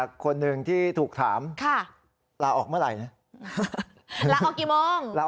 เห็นแต่คนนึงที่ถูกถามค่ะหละออกเมื่อไหร่